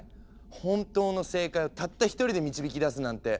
本当の正解をたった１人で導き出すなんて。